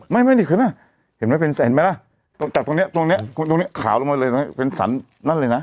ไม่เพื่อนเศษตรงนี้เขาขาวลงไปเลยนะเป็นสันนั่นเลยนะ